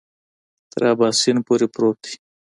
تر اباسین پورې پروت دی.